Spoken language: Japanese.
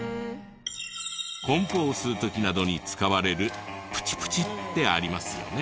梱包する時などに使われるプチプチってありますよね。